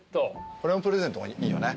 これもプレゼントがいいよね。